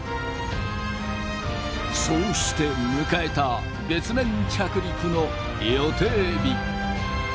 そうして迎えた月面着陸の予定日。